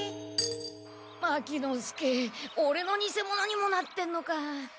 牧之介オレの偽者にもなってんのか。